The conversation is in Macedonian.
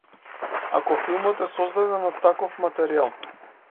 Ако филмот е создаден од таков материјал.